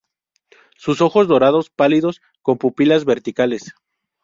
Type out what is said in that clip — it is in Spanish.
Sus ojos dorados pálidos con pupilas verticales.